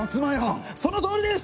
ただのそのとおりです。